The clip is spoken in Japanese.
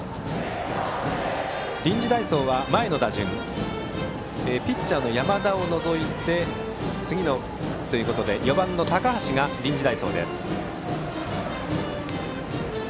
臨時代走は前の打順ピッチャーの山田を除いた前のバッターということで４番の高橋が臨時代走です。